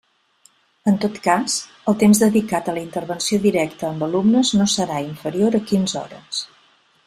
En tot cas, el temps dedicat a la intervenció directa amb alumnes no serà inferior a quinze hores.